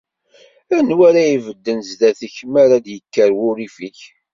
Anwa ara ibedden sdat-k, mi ara d-ikker wurrif-ik?